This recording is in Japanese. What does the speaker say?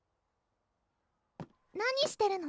何してるの？